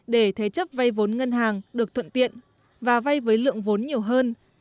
để thế chấp vay vốn ngân hàng được thuận tiện và vay với lượng vốn nhiều hơn